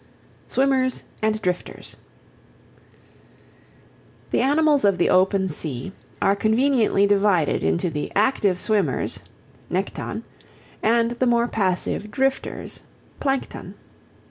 Swimmers and Drifters The animals of the open sea are conveniently divided into the active swimmers (Nekton) and the more passive drifters (Plankton).